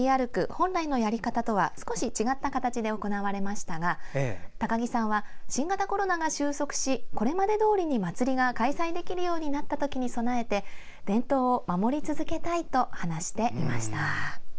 本来のやり方とは少し違った形で行われましたが高木さんは、新型コロナが収束しこれまでどおりに祭りが開催できるようになった時に備えて伝統を守り続けたいと話していました。